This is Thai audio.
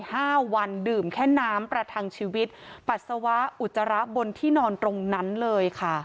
ห้าวันดื่มแค่น้ำประทังชีวิตปัสสาวะอุจจาระบนที่นอนตรงนั้นเลยค่ะ